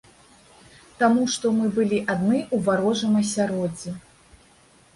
Таму што мы былі адны у варожым асяроддзі.